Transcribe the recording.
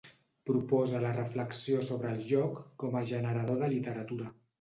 Proposa la reflexió sobre el joc com a generador de literatura.